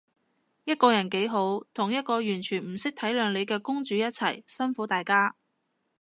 一個人幾好，同一個完全唔識體諒你嘅公主一齊，辛苦大家